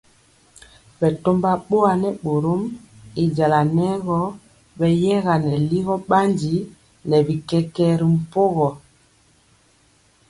Bɛtɔmba boa nɛ bɔrɔm y jala nɛ gɔ beyɛga nɛ ligɔ bandi nɛ bi kɛkɛɛ ri mpogɔ.